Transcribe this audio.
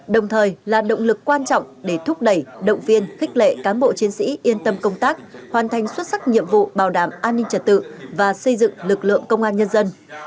đồng thời là động lực quan trọng để thúc đẩy động viên khích lệ cán bộ chiến sĩ yên tâm công tác hoàn thành xuất sắc nhiệm vụ bảo đảm an ninh trật tự và xây dựng lực lượng công an nhân dân